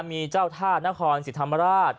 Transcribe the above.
มีเจ้าธาตุนโคลนสิทธามราช